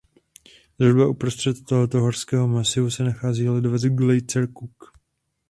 Zhruba uprostřed tohoto horského masivu se nachází ledovec Glacier Cook.